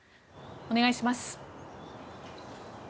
お願いします。